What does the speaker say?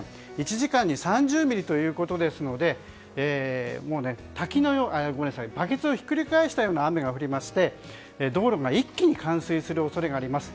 １時間に３０ミリということですのでバケツをひっくり返したような雨が降りまして道路が一気に冠水する恐れがあります。